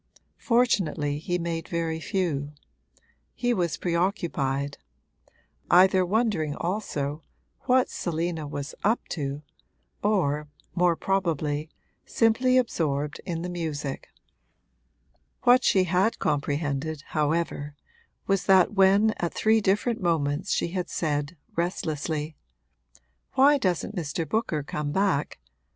Fortunately he made very few; he was preoccupied either wondering also what Selina was 'up to' or, more probably, simply absorbed in the music. What she had comprehended, however, was that when at three different moments she had said, restlessly, 'Why doesn't Mr. Booker come back?'